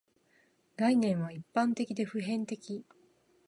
概念は一般的で普遍的